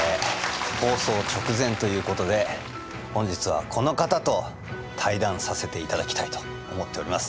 放送直前ということで本日はこの方と対談させていただきたいと思っております。